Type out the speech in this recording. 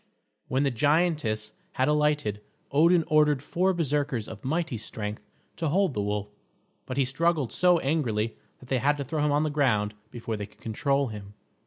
When the giantess had alighted, Odin ordered four Berserkers of mighty strength to hold the wolf, but he struggled so angrily that they had to throw him on the ground before they could control him.